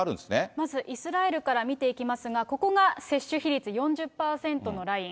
まずイスラエルから見ていきますが、ここが接種比率４０％のライン。